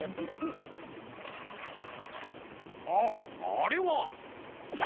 ああれは。